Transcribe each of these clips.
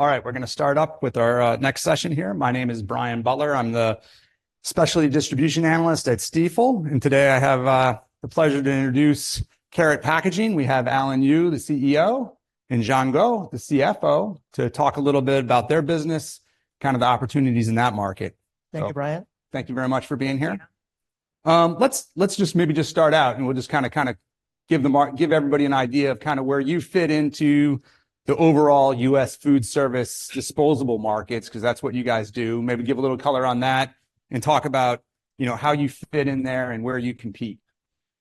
All right, we're gonna start up with our next session here. My name is Brian Butler. I'm the specialty distribution analyst at Stifel, and today I have the pleasure to introduce Karat Packaging. We have Alan Yu, the CEO, and Jian Guo, the CFO, to talk a little bit about their business, kind of the opportunities in that market. Thank you, Brian. Thank you very much for being here. Let's just maybe just start out, and we'll just kinda give everybody an idea of kind of where you fit into the overall U.S. food service disposable markets, 'cause that's what you guys do. Maybe give a little color on that, and talk about, you know, how you fit in there and where you compete.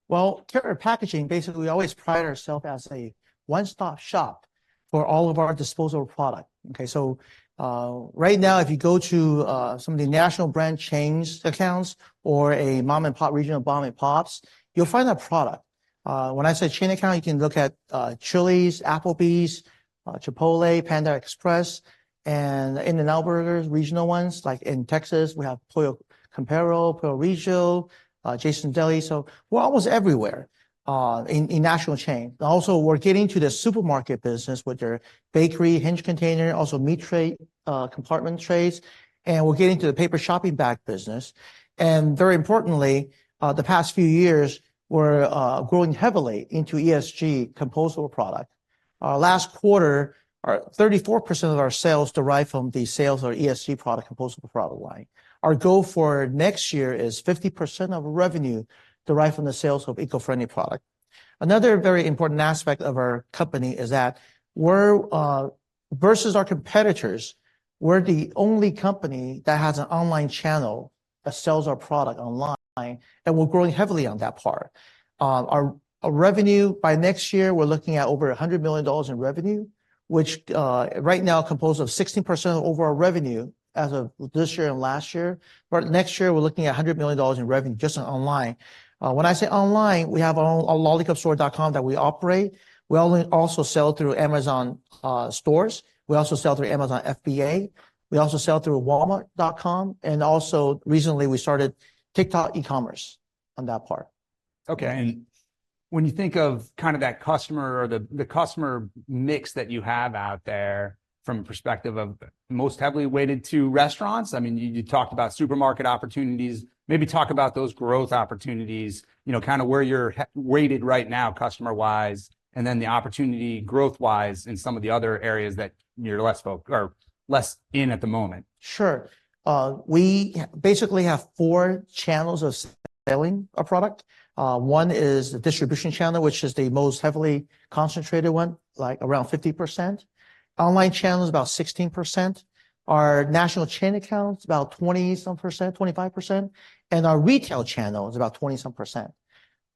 Well, Karat Packaging, basically, we always pride ourself as a one-stop shop for all of our disposable product. Right now, if you go to some of the national brand chain accounts or a mom-and-pop, regional mom-and-pops, you'll find our product. When I say chain account, you can look at Chili's, Applebee's, Chipotle, Panda Express, and In-N-Out Burgers, regional ones, like in Texas, we have Pollo Campero, Pollo Regio, Jason's Deli, so we're almost everywhere in national chain. Also, we're getting to the supermarket business with their bakery hinged container, also meat tray, compartment trays, and we're getting to the paper shopping bag business. And very importantly, the past few years, we're growing heavily into ESG compostable product. Our last quarter, our 34% of our sales derive from the sales of our ESG product, compostable product line. Our goal for next year is 50% of revenue derive from the sales of eco-friendly product. Another very important aspect of our company is that we're versus our competitors, we're the only company that has an online channel that sells our product online, and we're growing heavily on that part. Our revenue, by next year, we're looking at over $100 million in revenue, which right now composed of 16% of overall revenue as of this year and last year. But next year, we're looking at $100 million in revenue just on online. When I say online, we have our own LollicupStore.com that we operate. We also sell through Amazon stores. We also sell through Amazon FBA. We also sell through Walmart.com, and also, recently, we started TikTok e-commerce on that part. Okay, and when you think of kind of that customer or the customer mix that you have out there from a perspective of most heavily weighted to restaurants, I mean, you talked about supermarket opportunities. Maybe talk about those growth opportunities, you know, kind of where you're heavily weighted right now, customer-wise, and then the opportunity growth-wise in some of the other areas that you're less focused or less in at the moment. Sure. We basically have four channels of selling our product. One is the distribution channel, which is the most heavily concentrated one, like around 50%. Online channel is about 16%. Our national chain account's about 20-some percent, 25%, and our retail channel is about 20-some percent.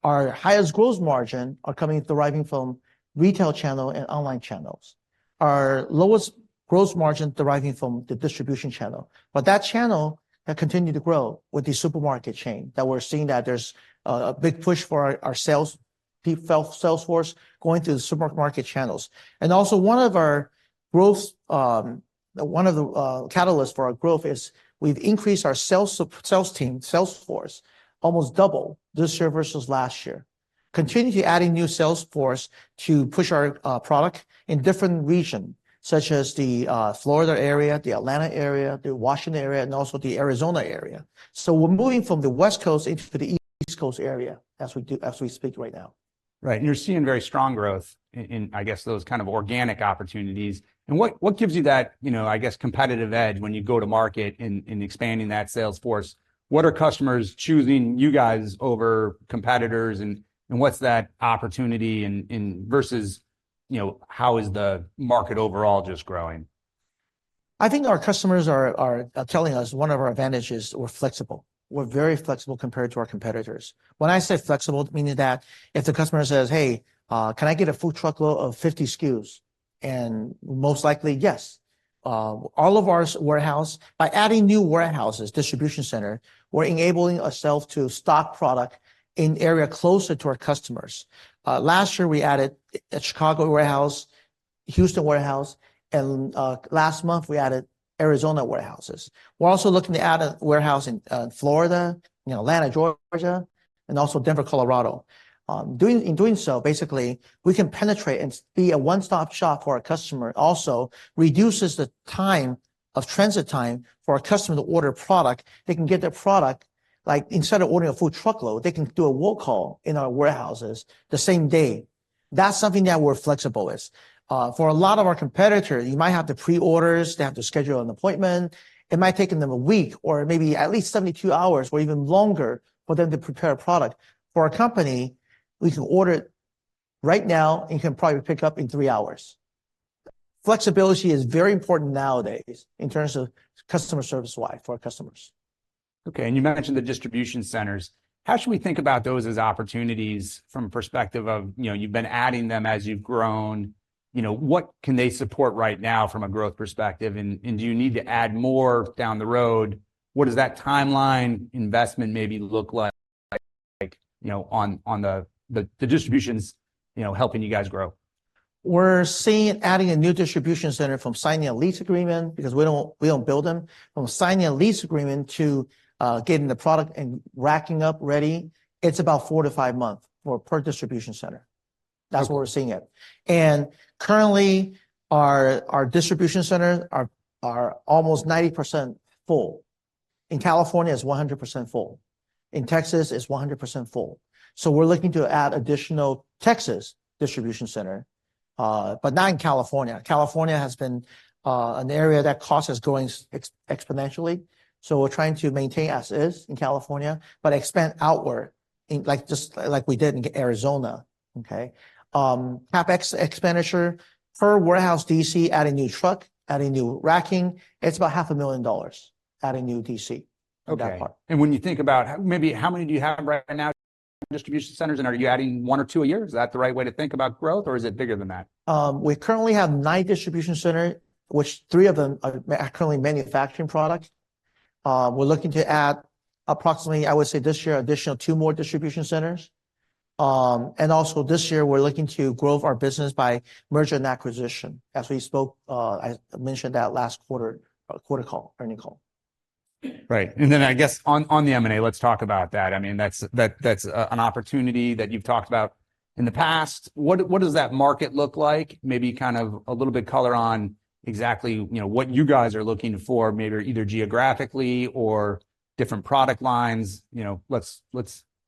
Our highest gross margin are coming deriving from retail channel and online channels. Our lowest gross margin deriving from the distribution channel, but that channel have continued to grow with the supermarket chain, that we're seeing that there's a big push for our sales force going to the supermarket market channels. And also one of our growth, one of the catalysts for our growth is we've increased our sales team, sales force, almost double this year versus last year. Continue to adding new sales force to push our product in different region, such as the Florida area, the Atlanta area, the Washington area, and also the Arizona area. So we're moving from the West Coast into the East Coast area, as we speak right now. Right, and you're seeing very strong growth in, I guess, those kind of organic opportunities. And what gives you that, you know, I guess, competitive edge when you go to market in expanding that sales force? What are customers choosing you guys over competitors, and what's that opportunity in... versus, you know, how is the market overall just growing? I think our customers are telling us one of our advantages, we're flexible. We're very flexible compared to our competitors. When I say flexible, meaning that if the customer says, "Hey, can I get a full truckload of 50 SKUs?" Most likely, yes. All of our warehouse, by adding new warehouses, distribution center, we're enabling ourself to stock product in area closer to our customers. Last year, we added a Chicago warehouse, Houston warehouse, and last month, we added Arizona warehouses. We're also looking to add a warehouse in Florida, in Atlanta, Georgia, and also Denver, Colorado. In doing so, basically, we can penetrate and be a one-stop shop for our customer. Also, reduces the time of transit time for our customer to order product. They can get their product, like, instead of ordering a full truckload, they can do a will call in our warehouses the same day. That's something that we're flexible with. For a lot of our competitors, you might have to pre-order; they have to schedule an appointment. It might take them a week, or maybe at least 72 hours or even longer for them to prepare a product. For our company, we can order it right now and can probably pick up in three hours. Flexibility is very important nowadays in terms of customer service-wide for our customers. Okay, and you mentioned the distribution centers. How should we think about those as opportunities from a perspective of, you know, you've been adding them as you've grown? You know, what can they support right now from a growth perspective, and do you need to add more down the road? What does that timeline investment maybe look like, like, you know, on the distributions, you know, helping you guys grow? We're seeing adding a new distribution center from signing a lease agreement, because we don't build them, from signing a lease agreement to getting the product and racking up ready, it's about 4-5 months per distribution center. That's where we're seeing it. And currently, our distribution centers are almost 90% full. In California, it's 100% full. In Texas, it's 100% full. So we're looking to add additional Texas distribution center, but not in California. California has been an area that cost is growing exponentially, so we're trying to maintain as is in California, but expand outward, in like, just like we did in Arizona, okay? CapEx expenditure per warehouse D.C., adding new truck, adding new racking, it's about $500,000, adding new D.C., that part. Okay When you think about maybe how many do you have right now, distribution centers, and are you adding one or two a year? Is that the right way to think about growth, or is it bigger than that? We currently have nine distribution centers, which three of them are currently manufacturing products. We're looking to add approximately, I would say, this year, additional two more distribution centers. And also this year, we're looking to grow our business by merger and acquisition, as we spoke. I mentioned that last quarter, quarter call, earnings call. Right. And then I guess on the M&A, let's talk about that. I mean, that's an opportunity that you've talked about in the past. What does that market look like? Maybe kind of a little bit color on exactly, you know, what you guys are looking for, maybe either geographically or different product lines. You know, let's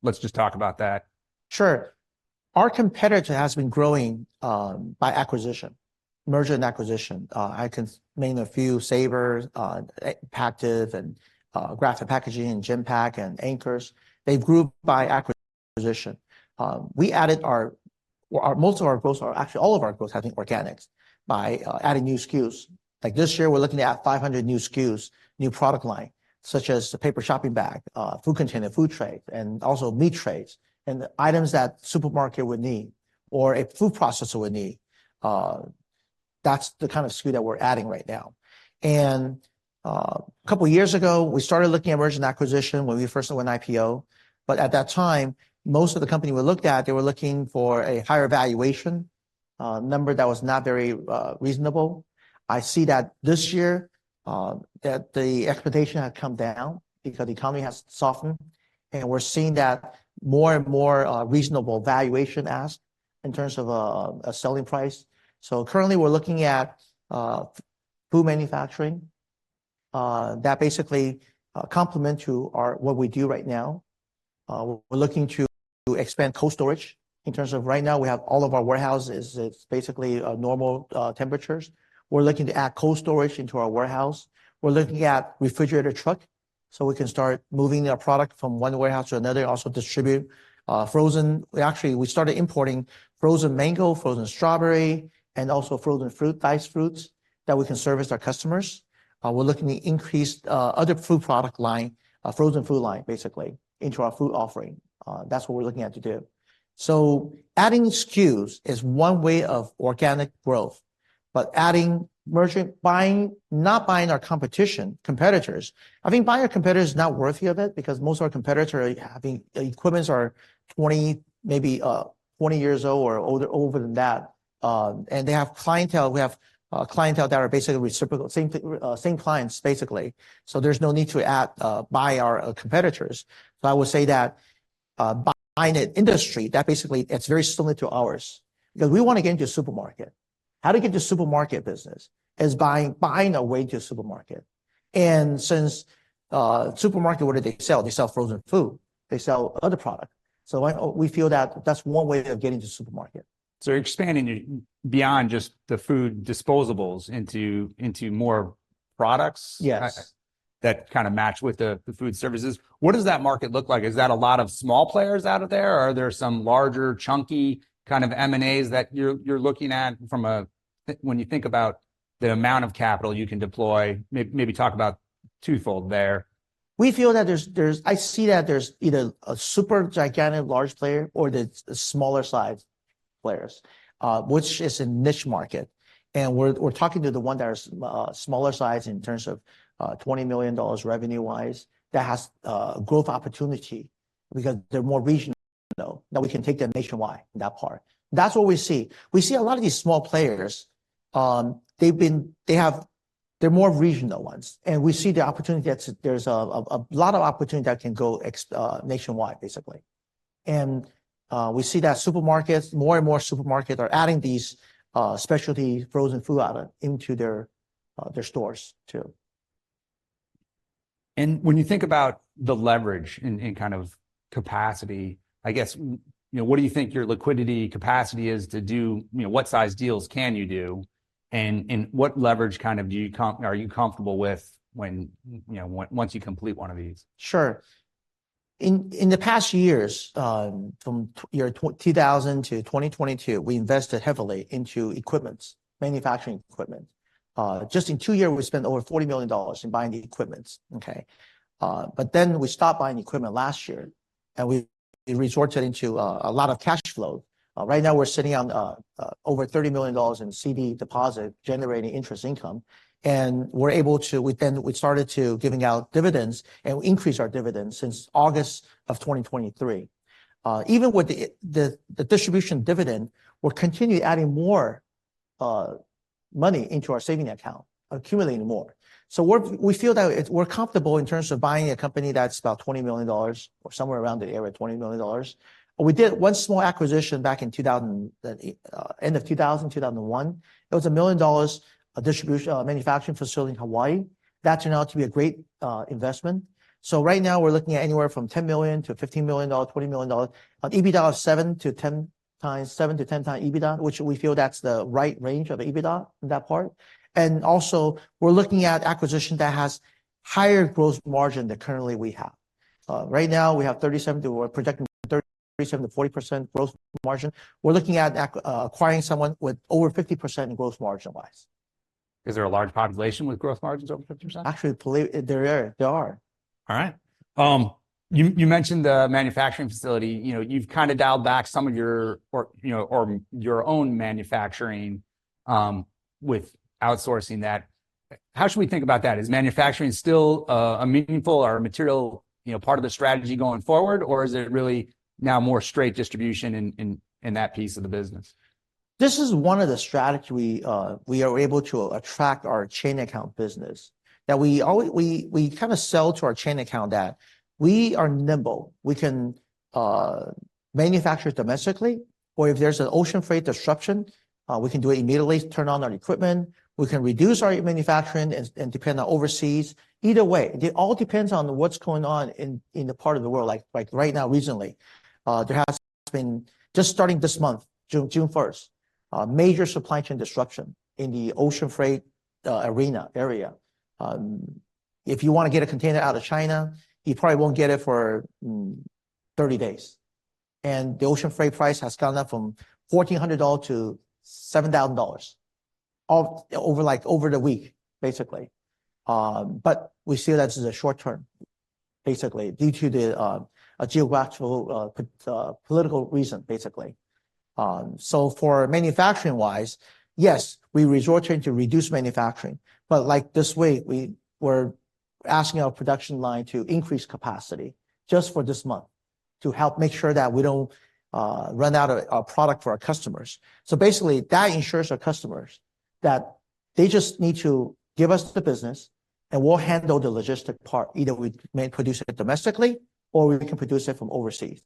just talk about that. Sure. Our competitor has been growing by acquisition, merger and acquisition. I can name a few, Sabert, Pactiv, and Graphic Packaging, and Genpak, and Anchor. They've grew by acquisition. Most of our growth are, actually, all of our growth has been organics, by adding new SKUs. Like this year, we're looking to add 500 new SKUs, new product line, such as the paper shopping bag, food container, food trays, and also meat trays, and the items that supermarket would need or a food processor would need. That's the kind of SKU that we're adding right now. A couple years ago, we started looking at merger and acquisition when we first went IPO, but at that time, most of the company we looked at, they were looking for a higher valuation, a number that was not very reasonable. I see that this year, that the expectation had come down because the economy has softened, and we're seeing that more and more reasonable valuation ask in terms of a selling price. So currently, we're looking at food manufacturing that basically complement to our what we do right now. We're looking to expand cold storage. In terms of right now, we have all of our warehouses, it's basically normal temperatures. We're looking to add cold storage into our warehouse. We're looking at refrigerator truck, so we can start moving our product from one warehouse to another, also distribute frozen. We actually, we started importing frozen mango, frozen strawberry, and also frozen fruit, diced fruits, that we can service our customers. We're looking to increase other fruit product line, frozen fruit line, basically, into our food offering. That's what we're looking at to do. So adding SKUs is one way of organic growth, but adding merger, buying, not buying our competition, competitors. I think buying our competitors is not worthy of it because most of our competitors are having, equipments are 20, maybe, 20 years old or older, older than that. And they have clientele, we have, clientele that are basically reciprocal, same, same clients, basically. So there's no need to add, buy our, competitors. I would say that buying an industry that basically it's very similar to ours, because we want to get into supermarket. How to get into supermarket business? Is buying, buying our way into supermarket. And since supermarket, what do they sell? They sell frozen food, they sell other product. We feel that that's one way of getting into supermarket. You're expanding beyond just the food disposables into more products? Yes. That kind of match with the food services. What does that market look like? Is that a lot of small players out of there, or are there some larger, chunky, kind of M&As that you're looking at from a... When you think about the amount of capital you can deploy, maybe talk about twofold there. We feel that there's. I see that there's either a super gigantic large player or the smaller size players, which is a niche market. We're talking to the one that is smaller size in terms of $20 million revenue-wise, that has growth opportunity because they're more regional, though, that we can take them nationwide, that part. That's what we see. We see a lot of these small players. They're more regional ones, and we see the opportunity that there's a lot of opportunity that can go nationwide, basically. We see that supermarkets, more and more supermarkets are adding these specialty frozen food item into their stores, too. When you think about the leverage and kind of capacity, I guess, you know, what do you think your liquidity capacity is to do? You know, what size deals can you do, and what leverage kind of are you comfortable with when, you know, once you complete one of these? Sure. In the past years, from year 2000 to 2022, we invested heavily into equipment, manufacturing equipment. Just in two years, we spent over $40 million in buying the equipment, okay? But then we stopped buying equipment last year, and we resorted into a lot of cash flow. Right now we're sitting on over $30 million in CD deposit, generating interest income, and we're able to. We then started giving out dividends and increase our dividends since August of 2023. Even with the distribution dividend, we'll continue adding more money into our savings account, accumulating more. So we're comfortable in terms of buying a company that's about $20 million or somewhere around that area, $20 million. But we did one small acquisition back in 2000, end of 2000, 2001. It was $1 million, a distribution manufacturing facility in Hawaii. That turned out to be a great investment. So right now, we're looking at anywhere from $10 million to $15 million, $20 million. On EBITDA, seven to 10 times, seven to 10 times EBITDA, which we feel that's the right range of EBITDA in that part. And also, we're looking at acquisition that has higher gross margin than currently we have. Right now, we have 37%-40%. We're projecting 37%-40% gross margin. We're looking at acquiring someone with over 50% in gross margin-wise. Is there a large population with growth margins over 50%? Actually, believe there are, there are. All right. You mentioned the manufacturing facility. You know, you've kind of dialed back some of your, you know, or your own manufacturing with outsourcing that. How should we think about that? Is manufacturing still a meaningful or material, you know, part of the strategy going forward? Or is it really now more straight distribution in that piece of the business? This is one of the strategy we are able to attract our chain account business. That we kind of sell to our chain account that we are nimble. We can manufacture domestically, or if there's an ocean freight disruption, we can do it immediately, turn on our equipment. We can reduce our manufacturing and depend on overseas. Either way, it all depends on what's going on in the part of the world. Like right now, recently, there has been, just starting this month, June first, a major supply chain disruption in the ocean freight arena. If you wanna get a container out of China, you probably won't get it for 30 days. The ocean freight price has gone up from $1,400 to $7,000 over like over the week, basically. But we see that as a short term, basically, due to the geopolitical reason, basically. So for manufacturing-wise, yes, we resorting to reduce manufacturing, but like this week, we're asking our production line to increase capacity just for this month, to help make sure that we don't run out of our product for our customers. So basically, that ensures our customers that they just need to give us the business, and we'll handle the logistic part. Either we may produce it domestically, or we can produce it from overseas.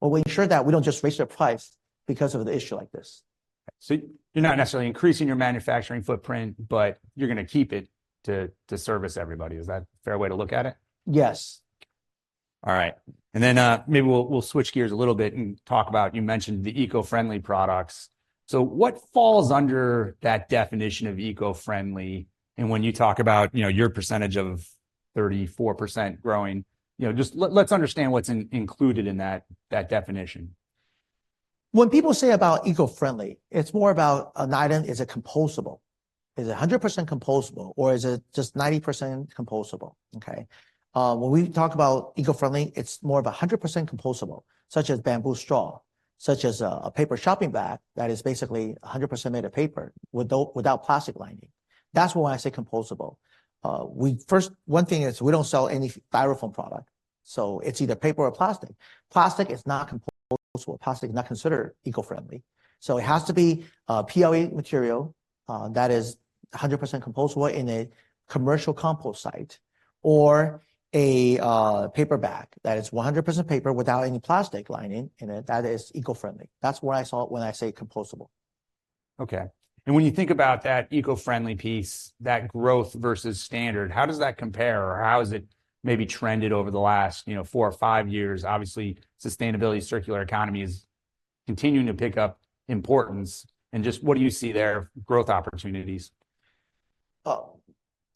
But we ensure that we don't just raise the price because of the issue like this. You're not necessarily increasing your manufacturing footprint, but you're gonna keep it to service everybody. Is that a fair way to look at it? Yes. All right. Then, maybe we'll, we'll switch gears a little bit and talk about, you mentioned the eco-friendly products. So what falls under that definition of eco-friendly? And when you talk about, you know, your percentage of 34% growing, you know, just let's understand what's included in that definition. When people say about eco-friendly, it's more about an item, is it compostable? Is it 100% compostable, or is it just 90% compostable, okay? When we talk about eco-friendly, it's more of 100% compostable, such as bamboo straw, such as a paper shopping bag that is basically 100% made of paper without plastic lining. That's what when I say compostable. First, one thing is, we don't sell any Styrofoam product, so it's either paper or plastic. Plastic is not compostable. Plastic is not considered eco-friendly, so it has to be PLA material that is 100% compostable in a commercial compost site, or paper bag that is 100% paper without any plastic lining in it. That is eco-friendly. That's what I saw when I say compostable. Okay, and when you think about that eco-friendly piece, that growth versus standard, how does that compare, or how has it maybe trended over the last, you know, four or five years? Obviously, sustainability, circular economy is continuing to pick up importance, and just what do you see there, growth opportunities?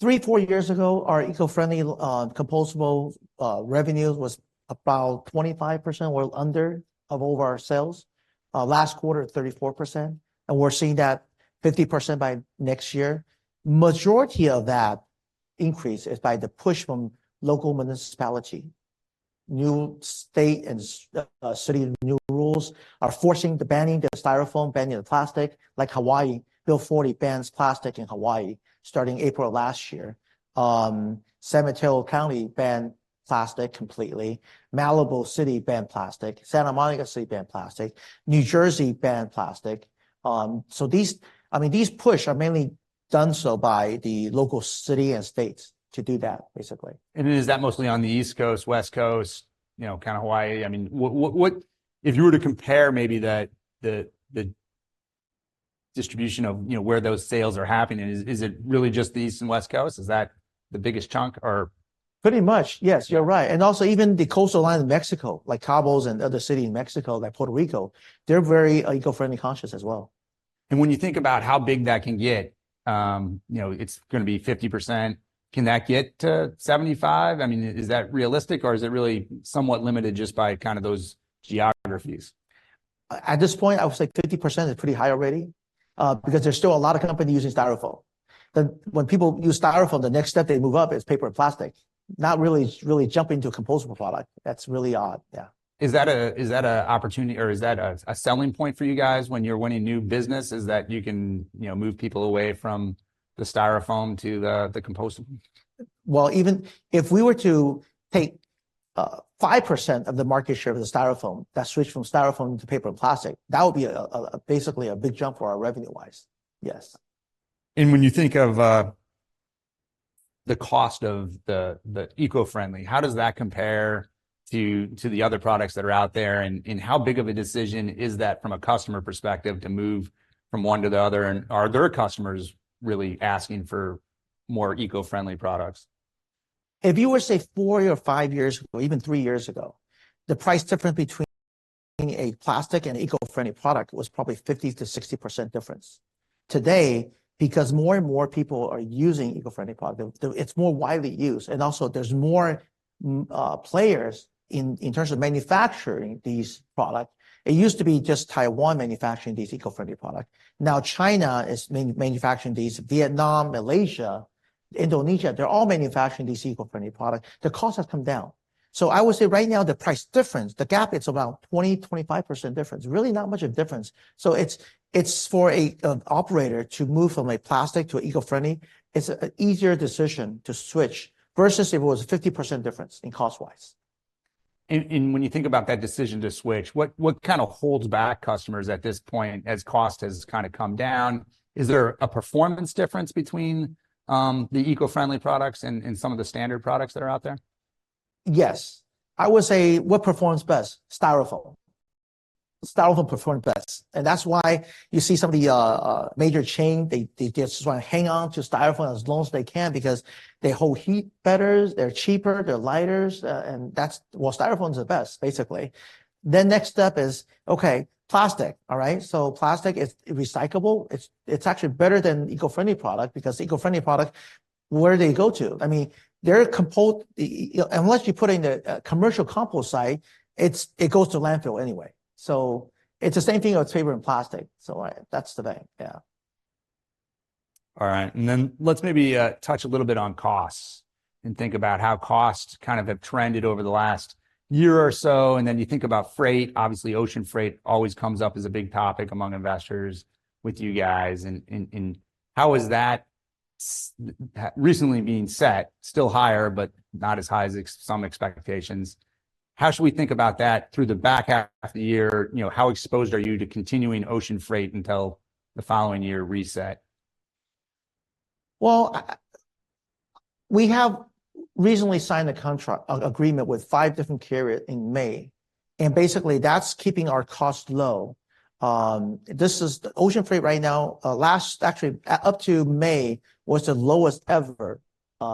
Three, four years ago, our eco-friendly, compostable, revenues was about 25% or under of all our sales. Last quarter, 34%, and we're seeing that 50% by next year. Majority of that increase is by the push from local municipality. New state and city, new rules are forcing the banning the Styrofoam, banning the plastic. Like Hawaii, Bill 40 bans plastic in Hawaii starting April of last year. San Mateo County banned plastic completely. Malibu City banned plastic. Santa Monica City banned plastic. New Jersey banned plastic. So these... I mean, these push are mainly done so by the local city and states to do that, basically. Is that mostly on the East Coast, West Coast, you know, kind of Hawaii? I mean, what... If you were to compare maybe the distribution of, you know, where those sales are happening, is it really just the East and West Coasts? Is that the biggest chunk, or? Pretty much, yes, you're right. Also, even the coastal line of Mexico, like Los Cabos and other city in Mexico, like Puerto Rico, they're very eco-friendly conscious as well. When you think about how big that can get, you know, it's gonna be 50%. Can that get to 75%? I mean, is that realistic, or is it really somewhat limited just by kind of those geographies? At this point, I would say 50% is pretty high already, because there's still a lot of companies using Styrofoam. When people use Styrofoam, the next step they move up is paper and plastic, not really, really jumping to a compostable product. That's really odd. Yeah. Is that an opportunity, or is that a selling point for you guys when you're winning new business, is that you can, you know, move people away from the Styrofoam to the compostable? Well, even if we were to take 5% of the market share of the Styrofoam, that switch from Styrofoam to paper and plastic, that would be basically a big jump for our revenue-wise. Yes. When you think of the cost of the eco-friendly, how does that compare to the other products that are out there? How big of a decision is that from a customer perspective to move from one to the other? Are there customers really asking for more eco-friendly products? If you were, say, four or five years ago, or even three years ago, the price difference between a plastic and eco-friendly product was probably 50%-60% difference. Today, because more and more people are using eco-friendly product, it's more widely used, and also there's more players in terms of manufacturing these products. It used to be just Taiwan manufacturing these eco-friendly products. Now China is manufacturing these, Vietnam, Malaysia, Indonesia, they're all manufacturing these eco-friendly products. The cost has come down. So I would say right now the price difference, the gap, it's about 20%-25% difference. Really not much of difference. So it's for a, an operator to move from a plastic to eco-friendly, it's an easier decision to switch versus if it was a 50% difference in cost-wise. When you think about that decision to switch, what kind of holds back customers at this point, as cost has kind of come down? Is there a performance difference between the eco-friendly products and some of the standard products that are out there? Yes. I would say, what performs best? Styrofoam. Styrofoam performs best, and that's why you see some of the major chain, they just wanna hang on to Styrofoam as long as they can because they hold heat better, they're cheaper, they're lighter, and that's. Well, Styrofoam is the best, basically. Then next step is, okay, plastic. All right, so plastic is recyclable. It's actually better than eco-friendly product, because eco-friendly product, where do they go to? I mean, they're compostable, unless you put it in a commercial compost site, it goes to landfill anyway. So it's the same thing with paper and plastic, so that's the thing. Yeah. All right, and then let's maybe touch a little bit on costs and think about how costs kind of have trended over the last year or so. And then you think about freight. Obviously, ocean freight always comes up as a big topic among investors with you guys. And how is that recently being set still higher, but not as high as some expectations? How should we think about that through the back half of the year? You know, how exposed are you to continuing ocean freight until the following year reset? Well, I, we have recently signed a contract, an agreement with 5 different carriers in May, and basically, that's keeping our costs low. This is the ocean freight right now, last actually, up to May, was the lowest ever,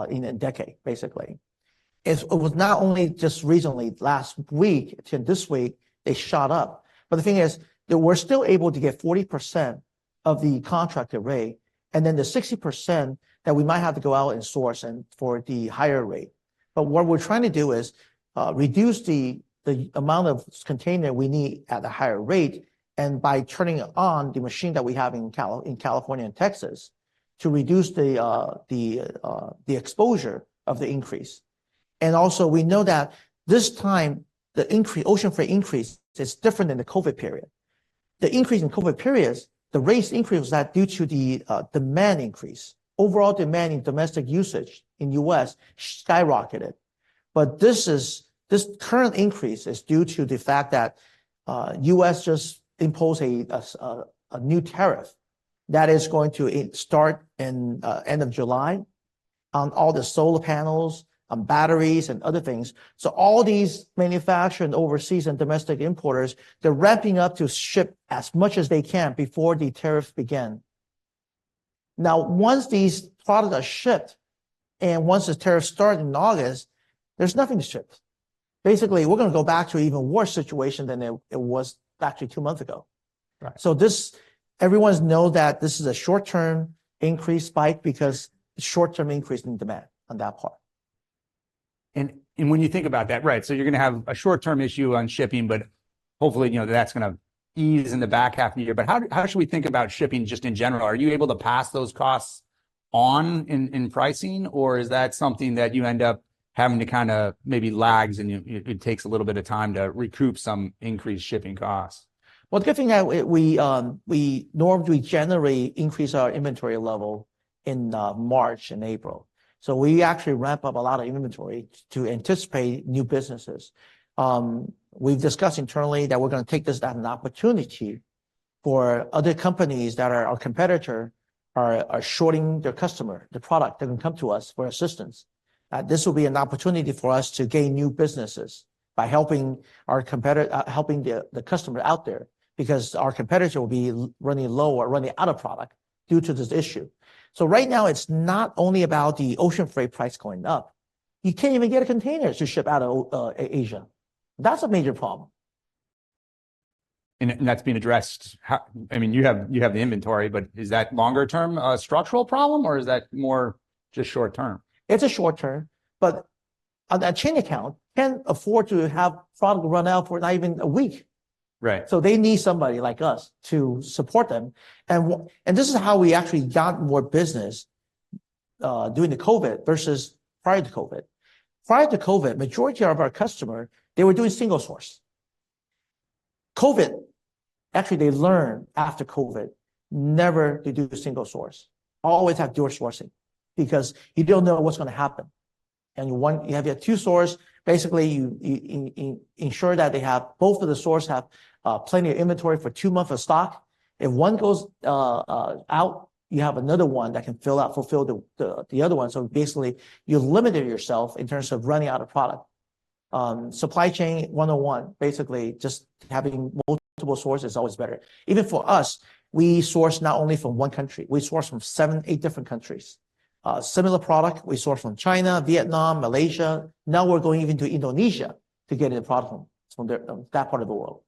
in a decade, basically. It was not only just recently, last week to this week, they shot up. But the thing is that we're still able to get 40% of the contracted rate, and then the 60% that we might have to go out and source and for the higher rate. But what we're trying to do is reduce the amount of container we need at a higher rate, and by turning on the machine that we have in California and Texas, to reduce the exposure of the increase. We know that this time, the increase, ocean freight increase is different than the COVID period. The increase in COVID periods, the rate increase was due to the demand increase. Overall demand in domestic usage in the U.S. skyrocketed. But this current increase is due to the fact that the U.S. just imposed a new tariff that is going to start in end of July on all the solar panels, on batteries, and other things. So all these manufacturing overseas and domestic importers, they're ramping up to ship as much as they can before the tariffs begin. Now, once these products are shipped, and once the tariffs start in August, there's nothing to ship. Basically, we're gonna go back to an even worse situation than it was actually two months ago. Right. This, everyone knows that this is a short-term increase spike because short-term increase in demand on that part. When you think about that, right, so you're gonna have a short-term issue on shipping, but hopefully, you know, that's gonna ease in the back half of the year. But how should we think about shipping just in general? Are you able to pass those costs on in pricing, or is that something that you end up having to kind of maybe lags, and it takes a little bit of time to recoup some increased shipping costs? Well, the good thing is we normally increase our inventory level in March and April. So we actually ramp up a lot of inventory to anticipate new businesses. We've discussed internally that we're gonna take this as an opportunity for other companies that are our competitor are shorting their customer the product. They can come to us for assistance. This will be an opportunity for us to gain new businesses by helping our competitor helping the customer out there, because our competitor will be running low or running out of product due to this issue. So right now, it's not only about the ocean freight price going up. You can't even get a container to ship out of Asia. That's a major problem. And that's being addressed. How, I mean, you have, you have the inventory, but is that longer-term, structural problem, or is that more just short term? It's a short term, but that chain account can't afford to have product run out for not even a week. Right. So they need somebody like us to support them. And this is how we actually got more business during the COVID versus prior to COVID. Prior to COVID, majority of our customer, they were doing single source. COVID, actually, they learned after COVID never to do single source. Always have dual sourcing, because you don't know what's gonna happen. And you want. You have your two source, basically, you ensure that they have both of the source have plenty of inventory for two months of stock. If one goes out, you have another one that can fill out, fulfill the other one. So basically, you limited yourself in terms of running out of product. Supply chain 101, basically, just having multiple sources is always better. Even for us, we source not only from one country, we source from seven, eight different countries. Similar product, we source from China, Vietnam, Malaysia. Now we're going even to Indonesia to get a product from there, from that part of the world.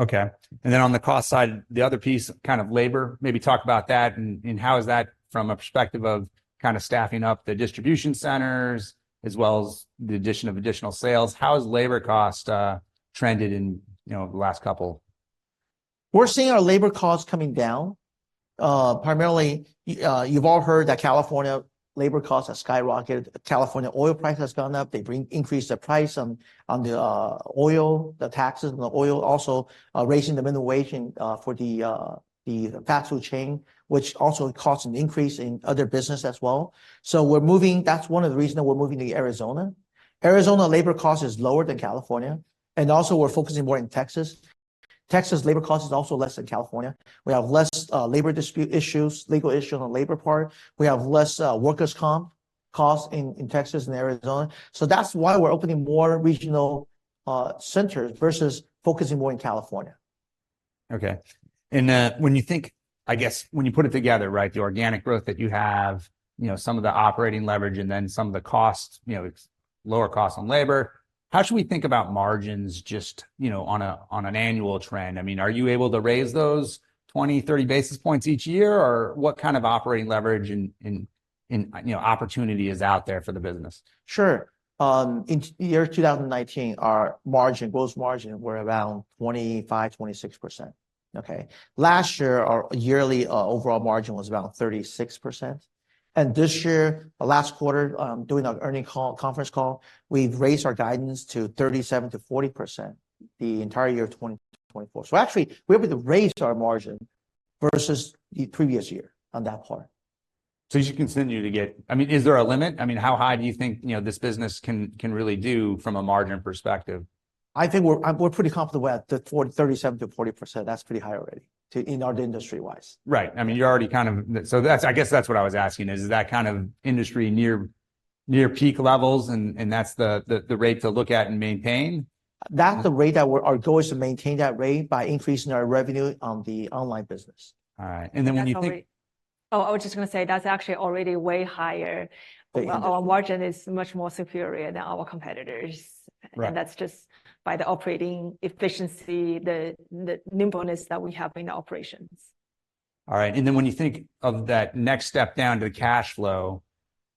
Okay. And then on the cost side, the other piece, kind of labor, maybe talk about that and how is that from a perspective of kind of staffing up the distribution centers, as well as the addition of additional sales? How has labor cost trended in, you know, the last couple- We're seeing our labor costs coming down. Primarily, you've all heard that California labor costs have skyrocketed. California oil price has gone up. They increased the price on the oil, the taxes on the oil, also raising the minimum wage for the fast food chain, which also caused an increase in other business as well. So we're moving... That's one of the reasons that we're moving to Arizona. Arizona labor cost is lower than California, and also we're focusing more in Texas. Texas labor cost is also less than California. We have less labor dispute issues, legal issue on the labor part. We have less workers' comp costs in Texas and Arizona. So that's why we're opening more regional centers versus focusing more in California. Okay. And when you think, I guess, when you put it together, right, the organic growth that you have, you know, some of the operating leverage and then some of the cost, you know, lower costs on labor, how should we think about margins just, you know, on a, on an annual trend? I mean, are you able to raise those 20, 30 basis points each year, or what kind of operating leverage and, and, and, you know, opportunity is out there for the business? Sure. In year 2019, our margin, gross margin were around 25%-26%, okay? Last year, our yearly, overall margin was about 36%, and this year, last quarter, doing our earnings call, conference call, we've raised our guidance to 37%-40%, the entire year of 2024. So actually, we're able to raise our margin versus the previous year on that part. As you continue to get... I mean, is there a limit? I mean, how high do you think, you know, this business can, can really do from a margin perspective? I think we're, we're pretty comfortable at the 37%-40%. That's pretty high already to, in our industry wise. Right. I mean, you're already kind of... So that's, I guess that's what I was asking, is: Is that kind of industry near peak levels, and that's the rate to look at and maintain? That's the rate. Our goal is to maintain that rate by increasing our revenue on the online business. All right. And then when you think- Oh, I was just gonna say, that's actually already way higher. Yeah. Our margin is much more superior than our competitors and that's just by the operating efficiency, the nimbleness that we have in the operations. All right. And then when you think of that next step down to the cash flow,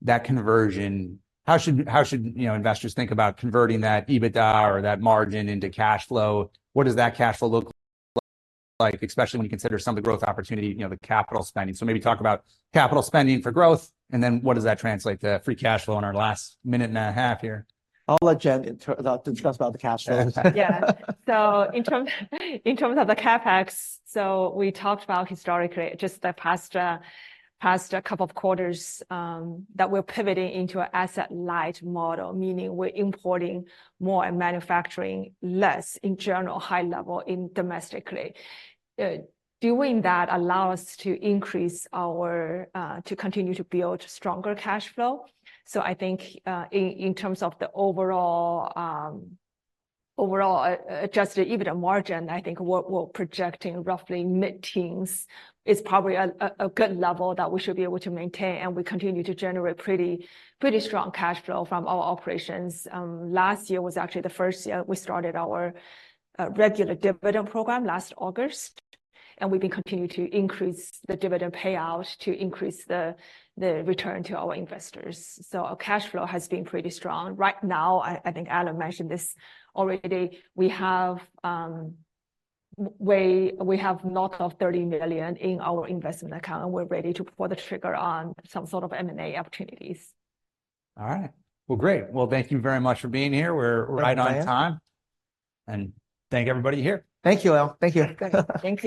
that conversion, how should, you know, investors think about converting that EBITDA or that margin into cash flow? What does that cash flow look like, especially when you consider some of the growth opportunity, you know, the capital spending? So maybe talk about capital spending for growth, and then what does that translate to free cash flow in our last minute and a half here? I'll let Jian discuss about the cash flow. Yeah. So in terms of the CapEx, so we talked about historically, just the past, past couple of quarters, that we're pivoting into an asset-light model, meaning we're importing more and manufacturing less in general, high level, domestically. Doing that allows us to increase our, to continue to build stronger cash flow. So I think, in, in terms of the overall, overall adjusted EBITDA margin, I think what we're projecting, roughly mid-teens, is probably a good level that we should be able to maintain, and we continue to generate pretty strong cash flow from our operations. Last year was actually the first year we started our, regular dividend program last August, and we've been continuing to increase the dividend payout to increase the return to our investors. So our cash flow has been pretty strong. Right now, I think Alan mentioned this already, we have knocked off $30 million in our investment account, and we're ready to pull the trigger on some sort of M&A opportunities. All right. Well, great. Well, thank you very much for being here. We're right on time. Thank you. Thank everybody here. Thank you, all. Thank you. Thank you.